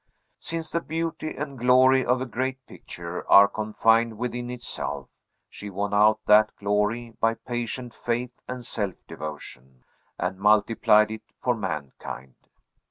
Since the beauty and glory of a great picture are confined within itself, she won out that glory by patient faith and self devotion, and multiplied it for mankind.